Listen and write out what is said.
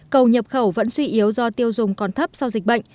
cầu nhập khẩu vẫn suy yếu do tiêu dùng còn thấp sau dịch bệnh